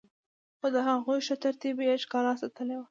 خو د هغوی ښه ترتیب يې ښکلا ساتلي وه.